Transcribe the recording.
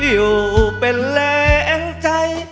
อยู่เป็นแรงใจ